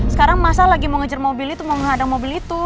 sekarang masa lagi mau ngejar mobil itu mau nggak ada mobil itu